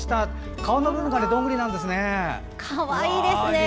顔の部分がどんぐりなんですね。